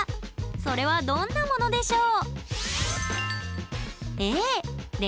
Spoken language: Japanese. それはどんなものでしょう？